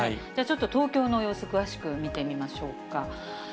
ちょっと東京の様子、詳しく見てみましょうか。